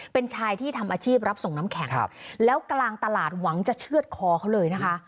เป็นชายที่ทำอาชีพรับส่งน้ำแข็งแล้วกลางตลาดหวังจะเชื่อดคอเขาเลยนะคะ